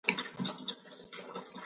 زه ټکله يا ډوډي خورم